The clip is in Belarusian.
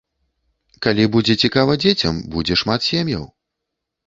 Калі будзе цікава дзецям, будзе шмат сем'яў.